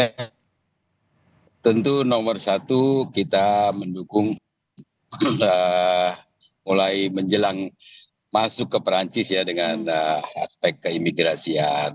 ya tentu nomor satu kita mendukung mulai menjelang masuk ke perancis ya dengan aspek keimigrasian